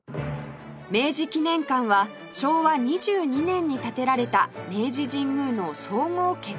明治記念館は昭和２２年に建てられた明治神宮の総合結婚式場です